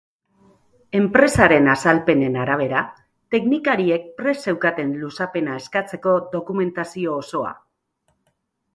Enpresaren azalpenen arabera, teknikariek prest zeukaten luzapena eskatzeko dokumentazio osoa.